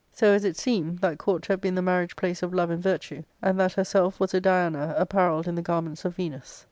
So as it f seemed that court to have been the marriage place of Love I and Virtue, and that herself was a Diana apparelled in the / garments of Venus.